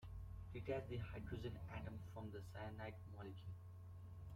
Detach the hydrogen atom from the cyanide molecule.